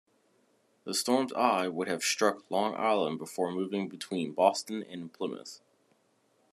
The storm's eye would have struck Long Island before moving between Boston and Plymouth.